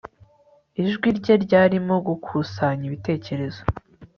Ijwi rye ryarimo gukusanya ibitekerezo